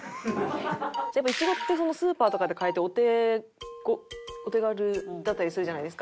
やっぱイチゴってスーパーとかで買えてお手軽だったりするじゃないですか。